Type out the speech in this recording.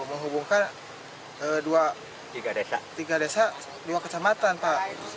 menghubungkan tiga desa dua kecamatan pak